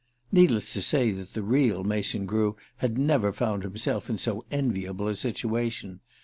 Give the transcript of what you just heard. Needless to say that the real Mason Grew had never found himself in so enviable a situation.